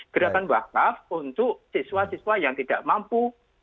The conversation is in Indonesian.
gerakan wakaf untuk siswa siswa yang tidak mampu